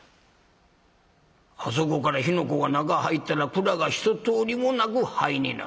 あそこから火の粉が中入ったら蔵がひととおりもなく灰になる。